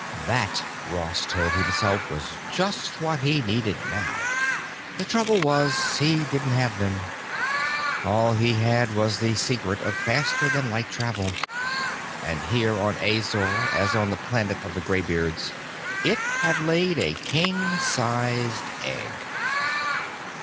That, Ross told himself, was just what he needed now. The trouble was, he didn't have them. All he had was the secret of faster than light travel. And, here on Azor as on the planet of the graybeards, it had laid a king sized egg.